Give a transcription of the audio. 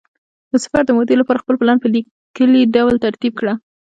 د سفر د مودې لپاره خپل پلان په لیکلي ډول ترتیب کړه.